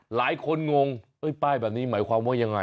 งงป้ายแบบนี้หมายความว่ายังไง